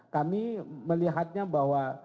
kami melihatnya bahwa